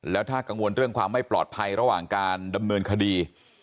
แล้วถ้ากังวลเรื่องความไม่ปลอดภัยระหว่างการดำเนินคดี